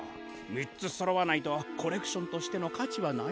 みっつそろわないとコレクションとしてのかちはないで。